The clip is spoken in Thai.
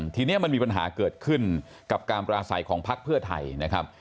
ทีนี้มันมีปัญหาเกิดขึ้นกับการปราศัยของพักเพื่อไทยนะครับ